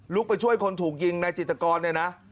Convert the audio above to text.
ไปช่วยคนถูกยิงในจิตกรเนี่ยนะ